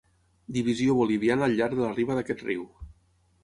Divisió boliviana al llarg de la riba d'aquest riu.